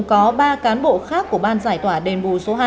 có ba cán bộ khác của ban giải tỏa đền bù số hai